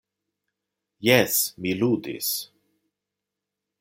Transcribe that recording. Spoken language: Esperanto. Jes, mi ludis.